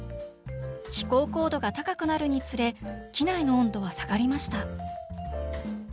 飛行高度が高くなるにつれ機内の温度は下がりました